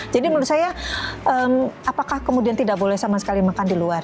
jadi menurut saya apakah kemudian tidak boleh sama sekali makan di luar